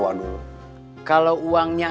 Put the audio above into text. jadi baik baik aja